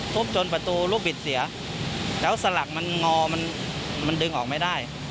จนประตูลูกบิดเสียแล้วสลักมันงอมันดึงออกไม่ได้